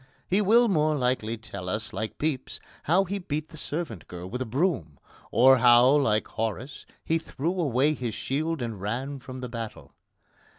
He will more likely tell us, like Pepys, how he beat the servant girl with a broom, or how, like Horace, he threw away his shield and ran from the battle.